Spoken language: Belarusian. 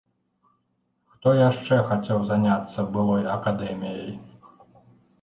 Хто яшчэ хацеў заняцца былой акадэміяй?